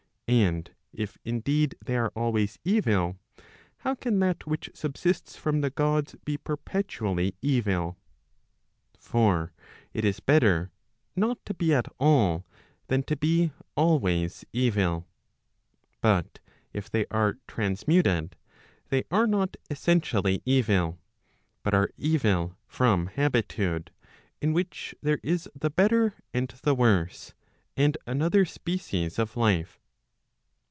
And if indeed they are always evil, how can that which subsists from the Gods be perpetually evil ? For it is better not to be at all, than to be always evil. But if they are transmuted, they are not essentially evil, but are evil from habitude, in which there is the better and the worse, and another species of life.